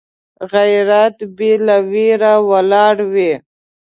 غیرت بې له ویرې ولاړ وي